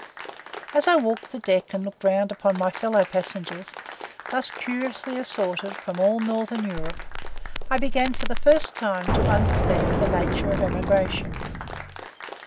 As I walked the deck and looked round upon my fellow passengers, thus curiously assorted from all northern Europe, I began for the first time to understand the nature of emigration.